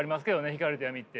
光と闇って。